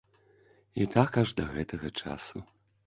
І так аж да гэтага часу.